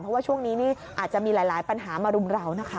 เพราะว่าช่วงนี้นี่อาจจะมีหลายปัญหามารุมเรานะคะ